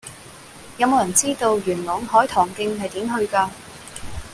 有無人知道元朗海棠徑係點去㗎